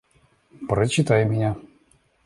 Прочитай меня.